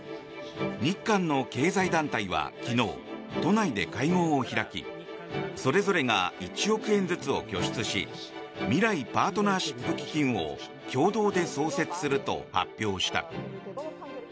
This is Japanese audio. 日韓の経済団体は昨日都内で会合を開きそれぞれが１億円ずつを拠出し未来パートナーシップ基金を共同で創設すると発表した。